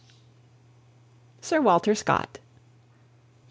SIR WALTER SCOTT.